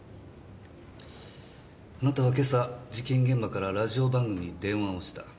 あなたは今朝事件現場からラジオ番組に電話をした。